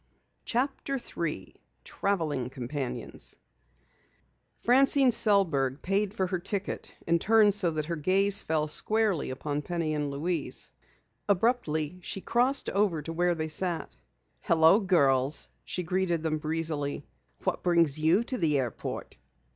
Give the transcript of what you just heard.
CHAPTER 3 TRAVELING COMPANIONS Francine Sellberg paid for her ticket and turned so that her gaze fell squarely upon Penny and Louise. Abruptly, she crossed over to where they sat. "Hello, girls," she greeted them breezily. "What brings you to the airport?"